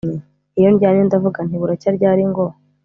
Iyo ndyamye ndavuga nti Buracya ryari ngo